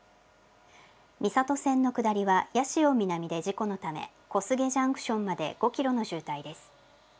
みさと線の下りは、八潮南で事故のため、小菅ジャンクションまで５キロの渋滞です。